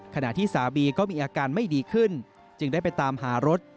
ขณะที่สามีก็มีอาการไม่ดีขึ้นจึงได้ไปตามหารถ